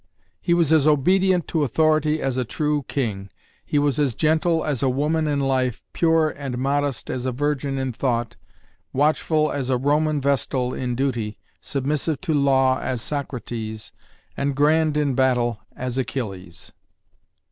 He was as obedient to authority as a true king. He was as gentle as a woman in life, pure and modest as a virgin in thought, watchful as a Roman vestal in duty, submissive to law as Socrates, and grand in battle as Achilles.